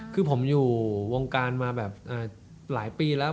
คือผมอยู่วงการมาแบบหลายปีแล้ว